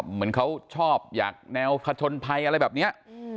เหมือนเขาชอบอยากแนวผชนภัยอะไรแบบนี้